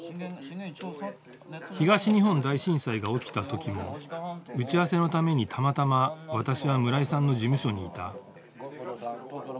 東日本大震災が起きた時も打ち合わせのためにたまたま私は村井さんの事務所にいた。